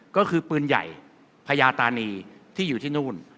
ก็คือปืนใหญ่พญาตานีที่อยู่ที่นู่น